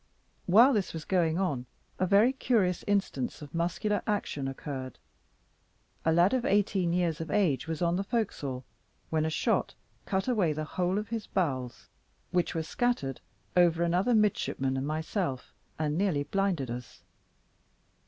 While this was going on, a very curious instance of muscular action occurred: a lad of eighteen years of age was on the forecastle, when a shot cut away the whole of his bowels, which were scattered over another midshipman and myself, and nearly blinded us.